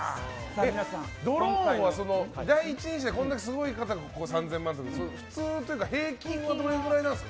ドローンは第一人者のこれだけすごい方が３０００万円で平均はどれぐらいなんですか。